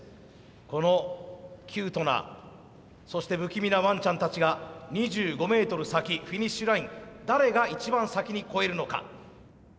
このキュートなそして不気味なワンちゃんたちが２５メートル先フィニッシュライン誰が一番先に越えるのか。